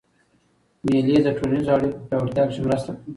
مېلې د ټولنیزو اړیکو په پیاوړتیا کښي مرسته کوي.